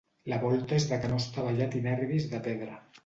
La volta és de canó estavellat i nervis de pedra.